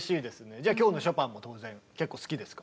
じゃあ今日のショパンも当然結構好きですか。